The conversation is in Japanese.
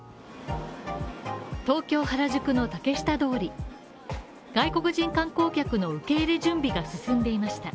東京原宿の竹下通り外国人観光客の受け入れ準備が進んでいました。